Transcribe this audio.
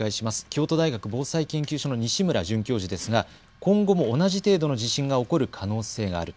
京都大学防災研究所の西村卓也准教授は今後も同じ程度の地震が起こる可能性がある。